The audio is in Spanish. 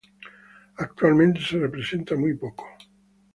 Actualmente se representa muy poco.